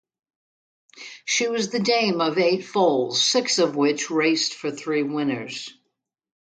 She was the dam of eight foals, six of which raced for three winners.